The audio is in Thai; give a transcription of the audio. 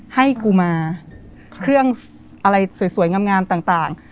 ให้กูมาเครื่องอะไรสวยสวยงามงามต่างต่าง